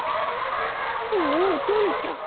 おとれた！